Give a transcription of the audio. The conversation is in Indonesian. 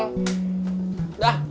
paling buruk acing